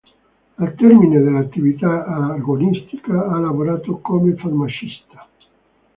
Al termine dell'attività agonistica ha lavorato come farmacista.